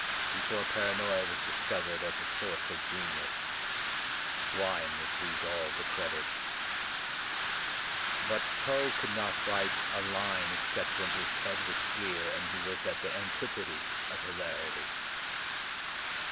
Before par£inoia was discov ered as a source of genius, wine received all the credit. But Poe could not write a line except when his head was clear and he was at the antipodes of hilarity.